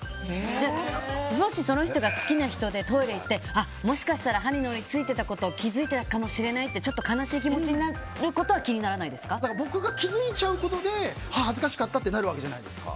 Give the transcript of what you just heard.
もしその人が好きな人でトイレ行って、もしかしたら歯にのりついてるのに気づいていたかもしれないって悲しい気持ちになることは僕が気づいちゃうことで恥ずかしかったってなるわけじゃないですか。